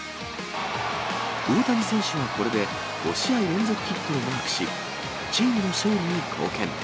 大谷選手はこれで５試合連続ヒットをマークし、チームの勝利に貢献。